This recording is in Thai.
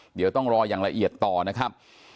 เดี๋ยวต้องรออย่างละเอียดต่อนะครับ